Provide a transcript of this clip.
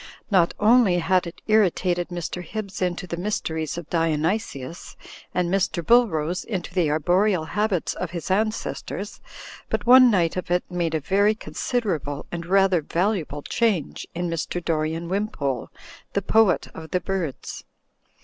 Not only had it initiated Mr. Hibbs into the mysteries of Dionysius, and Mr. BuUrose into the arboreal habits of his an cestors, but one night of it made a very considerable and rather valuable change in Mr. Dorian Wimpole, the Poet of the Birds.